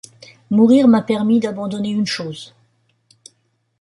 Mourir m'a permis d'abandonner une chose.